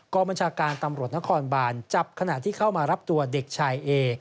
บัญชาการตำรวจนครบานจับขณะที่เข้ามารับตัวเด็กชายเอ